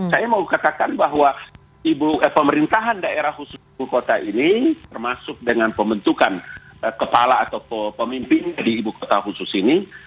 saya mau katakan bahwa pemerintahan daerah khusus ibu kota ini termasuk dengan pembentukan kepala atau pemimpin di ibu kota khusus ini